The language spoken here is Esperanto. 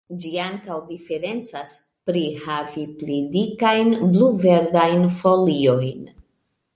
Ĝi ankaŭ diferencas pri havi pli dikajn, blu-verdajn foliojn.